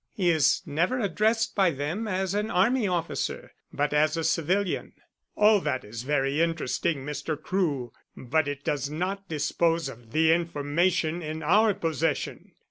He is never addressed by them as an army officer, but as a civilian." "All that is very interesting, Mr. Crewe, but it does not dispose of the information in our possession.